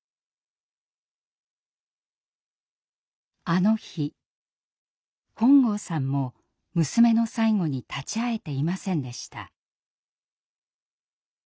あの日本郷さんも娘の最期に立ち会えていませんでした。